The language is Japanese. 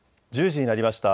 １０時になりました。